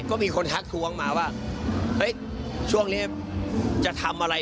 ก็มีคนทักท้วงมาว่าเฮ้ยช่วงนี้จะทำอะไร